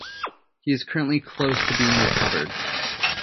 He is currently close to be recovered.